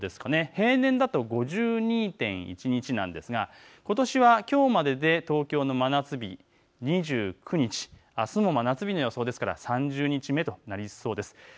平年だと５２．１日なんですがことしはきょうまでで東京の真夏日、２９日、あすも真夏日の予想ですから３０日目となりそうです。